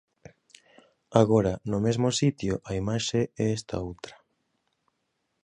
Agora, no mesmo sitio, a imaxe é esta outra.